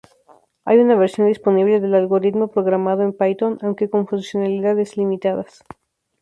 Hay una versión disponible del algoritmo programada en python, aunque con funcionalidades limitadas.